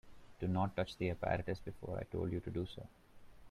Do not touch the apparatus before I told you to do so.